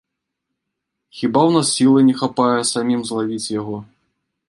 Хіба ў нас сілы не хапае самім злавіць яго?